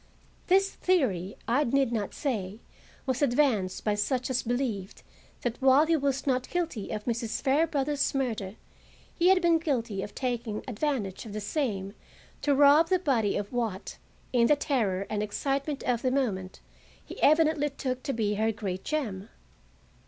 This theory, I need not say, was advanced by such as believed that while he was not guilty of Mrs. Fairbrother's murder, he had been guilty of taking advantage of the same to rob the body of what, in the terror and excitement of the moment, he evidently took to be her great gem.